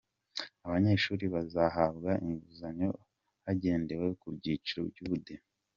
Aba banyeshuri bazahabwa inguzanyo hagendewe ku byiciro by’Ubudehe.